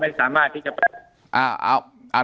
แต่คุณยายจะขอย้ายโรงเรียน